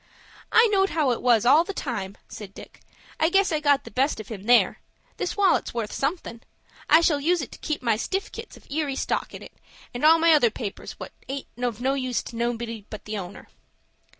"I knowed how it was all the time," said Dick. "I guess I got the best of him there. This wallet's worth somethin'. I shall use it to keep my stiffkit's of Erie stock in, and all my other papers what aint of no use to anybody but the owner."